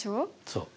そう。